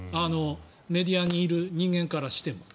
メディアにいる人間からしても。